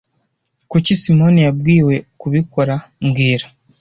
Kuki Simoni yabwiwe kubikora mbwira